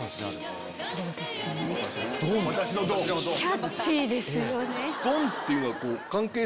キャッチーですよね。